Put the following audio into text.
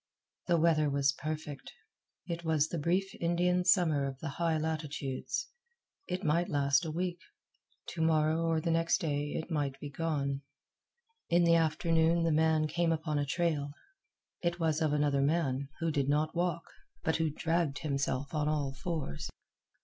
The weather was perfect. It was the brief Indian Summer of the high latitudes. It might last a week. To morrow or next day it might he gone. In the afternoon the man came upon a trail. It was of another man, who did not walk, but who dragged himself on all fours.